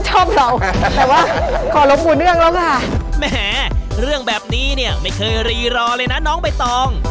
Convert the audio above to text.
แหมเรื่องแบบนี้เนี่ยไม่เคยรีรอเลยนะน้องใบตอง